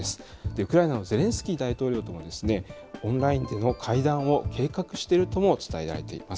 ウクライナのゼレンスキー大統領とオンラインでの会談を計画しているとも伝えられています。